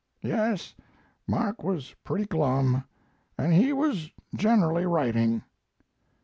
"Yes, Mark was pretty glum, and he was generally writing."